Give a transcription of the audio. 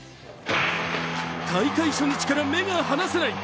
大会初日から目が離せない。